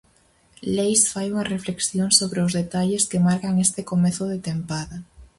Leis fai unha reflexión sobre os detalles que marcan este comezo de tempada.